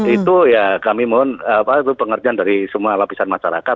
itu ya kami mohon pengertian dari semua lapisan masyarakat